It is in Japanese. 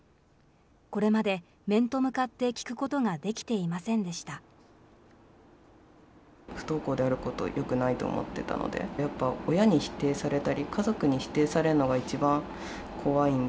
これまで面と向かって聞くことができていませんでした。